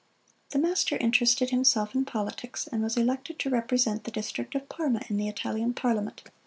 The master interested himself in politics, and was elected to represent the district of Parma in the Italian Parliament.